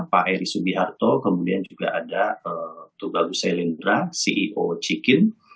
pak eris ubi harto kemudian juga ada tugabu selindra ceo cikin